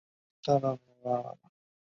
嘉庆十八年二月以终养离任。